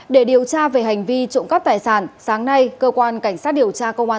để điều tra về hành vi trộm cắp tài sản sáng nay cơ quan cảnh sát điều tra công an